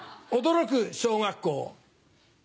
驚く小学校。